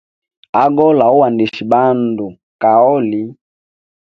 Agole hauandisha bandu kaoli.